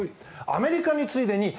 アメリカに次いで２位。